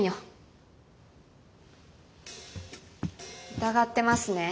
疑ってますね？